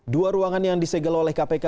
dua ruangan yang disegel oleh kpk